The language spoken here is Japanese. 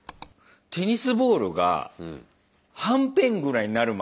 テニスボールがはんぺんぐらいになるまで押してるのに。